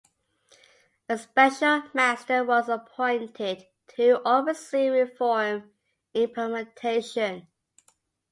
A special master was appointed to oversee reform implementation.